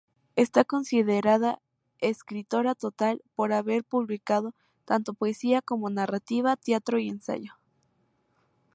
Está considerada escritora total, por haber publicado tanto poesía como narrativa, teatro y ensayo.